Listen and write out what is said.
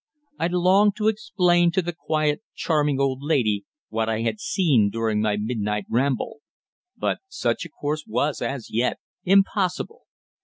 I longed to explain to the quiet, charming old lady what I had seen during my midnight ramble; but such a course was, as yet, impossible.